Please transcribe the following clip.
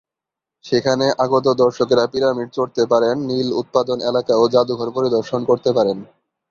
সেখানে আগত দর্শকেরা পিরামিড চড়তে পারেন, নীল উৎপাদন এলাকা ও জাদুঘর পরিদর্শন করতে পারেন।